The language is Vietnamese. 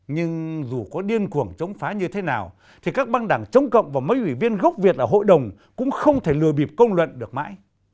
nhưng dù có điên cuồng chống phá như thế nào thì các băng đảng chống cộng và mấy ủy viên gốc việt ở hội đồng cũng không thể lừa bịp công luận được mãi